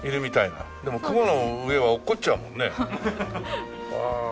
でも雲の上は落っこっちゃうもんね。